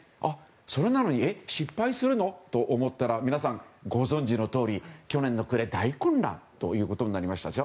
それなのに失敗するの？と思ったら皆さん、ご存じのとおり去年の暮れ大混乱ということになりましたでしょ。